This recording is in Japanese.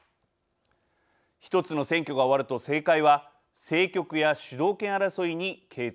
１つの選挙が終わると政界は政局や主導権争いに傾倒していきがちです。